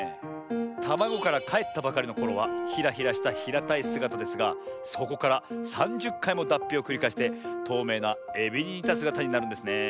たまごからかえったばかりのころはヒラヒラしたひらたいすがたですがそこから３０かいもだっぴをくりかえしてとうめいなエビににたすがたになるんですねえ。